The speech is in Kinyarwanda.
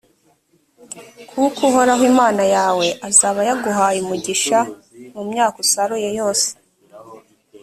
kuko uhoraho imana yawe azaba yaguhereye umugisha mu myaka usaruye yose,